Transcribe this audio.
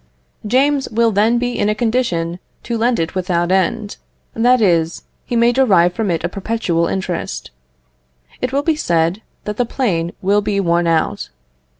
James will then be in a condition to lend it without end; that is, he may derive from it a perpetual interest. It will be said, that the plane will be worn out.